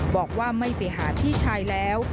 บอกว่าไม่ไปหาพี่ชายแล้ว